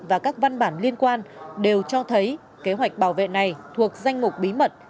và các văn bản liên quan đều cho thấy kế hoạch bảo vệ này thuộc danh mục bí mật